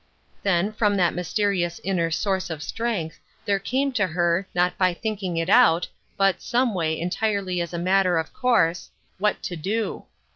Then, from that mysterious inner Source of Strength, there came to her, not by thinking it out, but, someway, entirely as a matter of course, what to do.